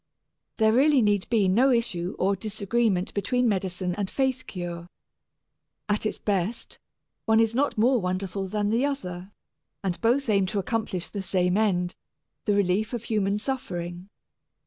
There really need be no issue or disagreement between medicine and faith cure. At its best, one is not more wonderful than the other, and both aim to accomplish the same end the relief of human suffering.